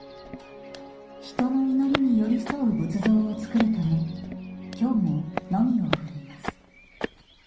人の祈りに寄り添う仏像を造るため、今日ものみを振るいます。